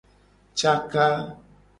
Caka.